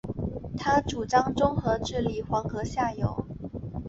他主张综合治理黄河下游。